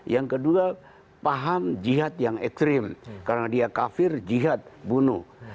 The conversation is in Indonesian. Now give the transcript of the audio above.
yang kedua paham jihad yang ekstrim karena dia kafir jihad bunuh